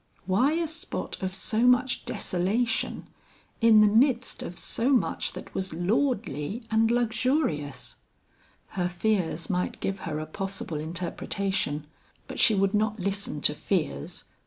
Why a spot of so much desolation in the midst of so much that was lordly and luxurious? Her fears might give her a possible interpretation, but she would not listen to fears.